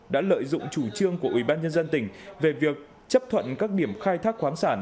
đã lợi dụng chủ trương của ubnd tỉnh về việc chấp thuận các điểm khai thác khoáng sản